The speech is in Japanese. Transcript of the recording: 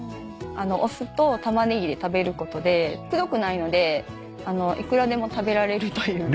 お酢とタマネギで食べることでくどくないのでいくらでも食べられるという。